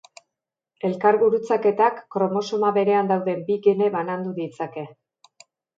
Elkargurutzaketak kromosoma berean dauden bi gene banandu ditzake.